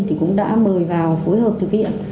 thì cũng đã mời vào phối hợp thực hiện